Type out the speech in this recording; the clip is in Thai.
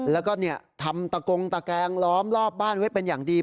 แล้วก็ทำตะกงตะแกรงล้อมรอบบ้านไว้เป็นอย่างดี